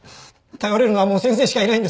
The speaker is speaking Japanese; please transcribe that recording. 頼れるのはもう先生しかいないんです！